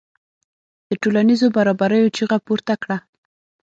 د ټولنیزو برابریو چیغه پورته کړه.